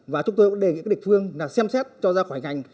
và chúng tôi đề nghị địa phương xem xét cho ra khỏi ngành